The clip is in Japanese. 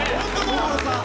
大越さん。